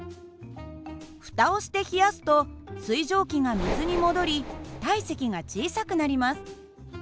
ふたをして冷やすと水蒸気が水に戻り体積が小さくなります。